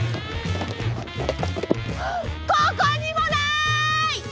ここにもない！